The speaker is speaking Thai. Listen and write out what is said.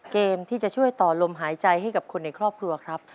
เกมที่จะช่วยต่อลมหายใจให้กับคนในครอบครัวครับ